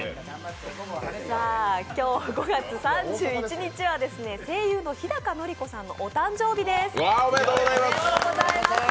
今日５月３１日は声優の日高のり子さんのお誕生日です。